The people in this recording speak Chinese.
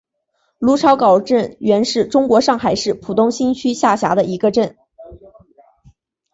芦潮港镇原是中国上海市浦东新区下辖的一个镇。